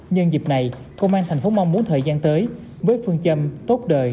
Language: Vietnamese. nhân dịp này công an thành phố mong muốn thời gian tới với phương châm tốt đời